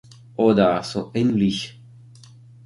Oder so ähnlich.